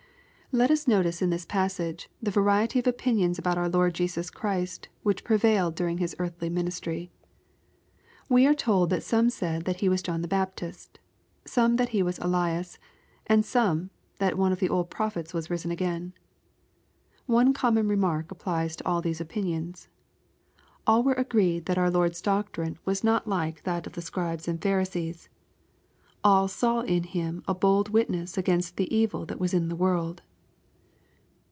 Let us notice in this passage, the variety of opinions about our Lord Jesus Christ, which prevailed during His earthly ministry. We are told that some said that He was John the Baptist ;— some that He was Elias ;— and some that one of the old prophets was risen again. One common remark applies to all these opinions. All were agreed that Dur Lord's doctrine was not like that of the LUKE, CHAP. IX. 805 Scribes and Phirisees. All saw in Him a bold witness against the evil that was in the worid.